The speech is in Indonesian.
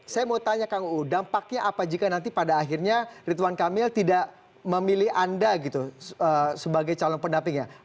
saya mau tanya kang uu dampaknya apa jika nanti pada akhirnya ridwan kamil tidak memilih anda gitu sebagai calon pendampingnya